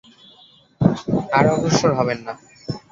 আর অগ্রসর হবেন না।